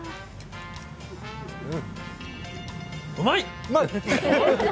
うまい！！